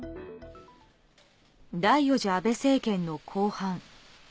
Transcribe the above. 第４次安倍政権の後半。